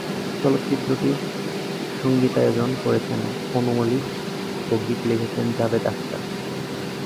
চলচ্চিত্রটির সঙ্গীতায়োজন করেছেন আনু মালিক ও গীত লিখেছেন জাভেদ আখতার।